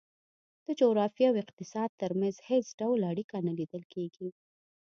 د جغرافیې او اقتصاد ترمنځ هېڅ ډول اړیکه نه لیدل کېږي.